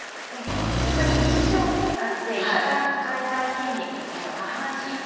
やっぱり日常生活で一番使いたい筋肉というのは下半身。